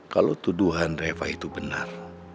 kalau tuduhan reva itu benar